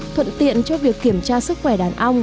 thuận tiện cho việc kiểm tra sức khỏe đàn ong